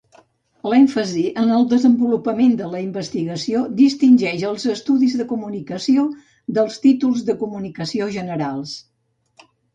L'èmfasi en el desenvolupament de la investigació distingeix els estudis de comunicació dels títols de comunicació generals.